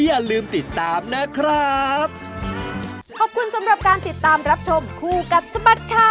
อย่าลืมติดตามนะครับ